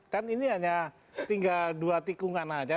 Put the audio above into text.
kan ini hanya tinggal dua tikungan saja